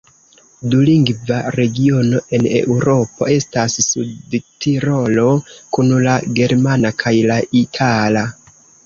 Dulingva regiono en Eŭropo estas Sudtirolo, kun la germana kaj la itala.